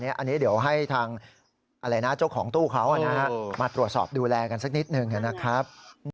อันนี้เดี๋ยวให้ทางเจ้าของตู้เขามาตรวจสอบดูแลกันสักนิดหนึ่งนะครับ